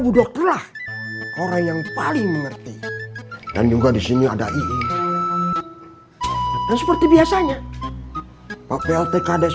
bu dokterlah orang yang paling mengerti dan juga di sini ada ii dan seperti biasanya pak plt kades